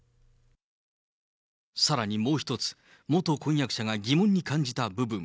さらにもう一つ、元婚約者が疑問に感じた部分。